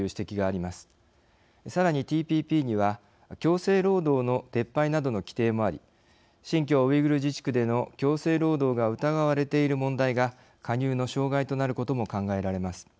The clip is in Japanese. さらにＴＰＰには強制労働の撤廃などの規定もあり新疆ウイグル自治区での強制労働が疑われている問題が加入の障害となることも考えられます。